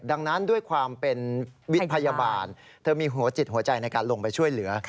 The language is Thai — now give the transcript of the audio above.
ดังนั้นด้วยความเป็นวิทย์พยาบาลเธอมีหัวจิตหัวใจในการลงไปช่วยเหลือ